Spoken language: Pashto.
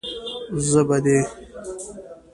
زه به دې.